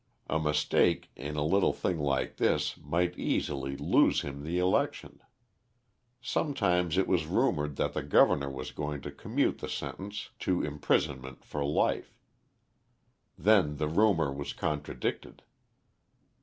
A mistake in a little thing like this might easily lose him the election. Sometimes it was rumoured that the governor was going to commute the sentence to imprisonment for life; then the rumour was contradicted.